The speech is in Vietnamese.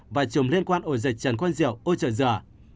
và chùm liên quan ổ dịch trần quân diệu ôi trời giở